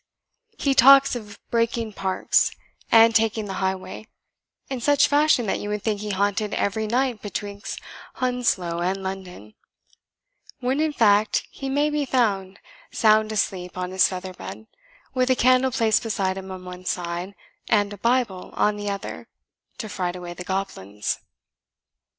He talks of breaking parks, and taking the highway, in such fashion that you would think he haunted every night betwixt Hounslow and London; when in fact he may be found sound asleep on his feather bed, with a candle placed beside him on one side, and a Bible on the other, to fright away the goblins."